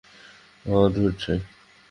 আঃ, ধুর ছাই।